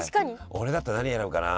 俺だったら何選ぶかな。